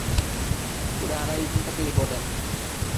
পুরা আড়াই ঘণ্টা তিনি বলেন।